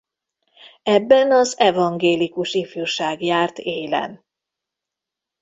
Ebben az evangélikus ifjúság járt élen.